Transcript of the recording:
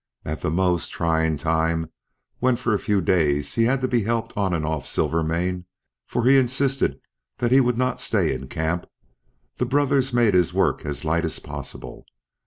At the most trying time when for a few days he had to be helped on and off Silvermane for he insisted that he would not stay in camp the brothers made his work as light as possible.